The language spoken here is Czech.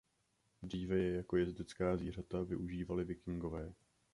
Dříve je jako jezdecká zvířata využívali Vikingové.